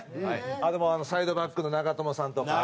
あとサイドバックの長友さんとか。